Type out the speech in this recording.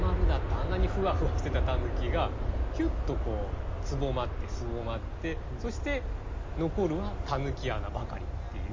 あんなにふわふわしてた狸がひゅっとつぼまってすぼまってそして残るは狸穴ばかりっていう。